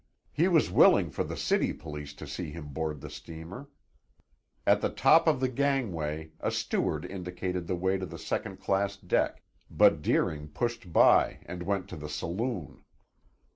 He was willing for the city police to see him board the steamer. At the top of the gangway a steward indicated the way to the second class deck, but Deering pushed by and went to the saloon.